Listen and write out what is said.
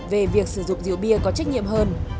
về việc sử dụng rượu bia có trách nhiệm hơn